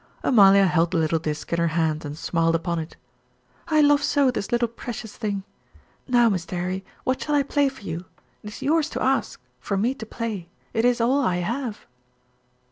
Amalia held the little disk in her hand and smiled upon it. "I love so this little precious thing. Now, Mr. 'Arry, what shall I play for you? It is yours to ask for me, to play; it is all I have."